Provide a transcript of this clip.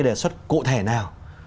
đề xuất cụ thể nào